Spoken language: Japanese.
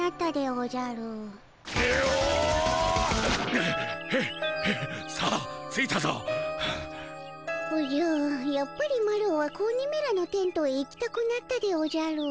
おじゃやっぱりマロは子鬼めらのテントへ行きたくなったでおじゃる。